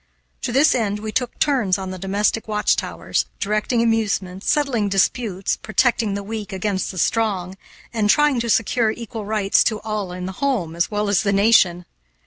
To this end we took turns on the domestic watchtowers, directing amusements, settling disputes, protecting the weak against the strong, and trying to secure equal rights to all in the home as well as the nation.